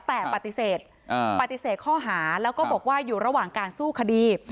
แต่ปฏิเสธปฏิเสธข้อหาแล้วก็บอกว่าอยู่ระหว่างการสู้คดี